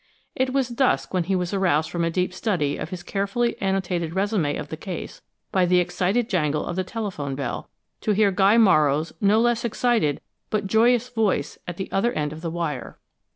It was dusk when he was aroused from a deep study of his carefully annotated résumé of the case by the excited jangle of the telephone bell, to hear Guy Morrow's no less excited but joyous voice at the other end of the wire.